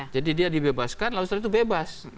jadi dia dibebaskan lalu setelah itu bebas